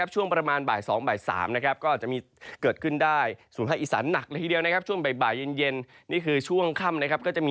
ส่วนพื้นที่กำ